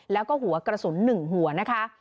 แล้วก็หัวกระสุน๑หัวนะคะ